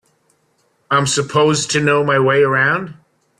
I'm supposed to know my way around.